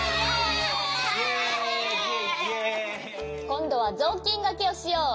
こんどはぞうきんがけをしよう。